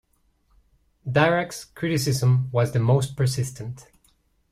Dirac's criticism was the most persistent.